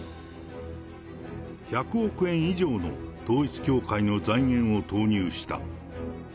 １００億円以上の統一教会の財源を投入した。